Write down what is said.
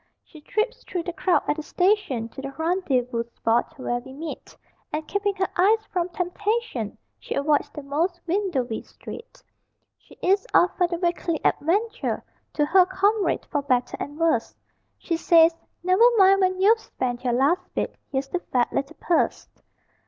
She trips through the crowd at the station, To the rendezvous spot where we meet, And keeping her eyes from temptation, She avoids the most windowy street! She is off for the Weekly Adventure; To her comrade for better and worse She says, "Never mind, when you've spent your Last bit, here's the fat little purse."